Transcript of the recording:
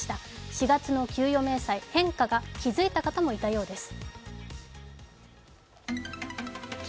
４月の給与明細、変化に気付いた方もいるようです。